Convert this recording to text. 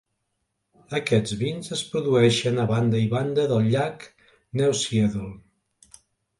Aquests vins es produeixen a banda i banda del llac Neusiedl.